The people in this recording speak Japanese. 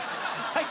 はい！